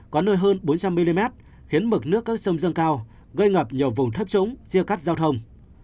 có nơi hơn bốn trăm linh mm khiến mực nước các sông dâng cao gây ngập nhiều vùng thấp trũng chia cắt giao thông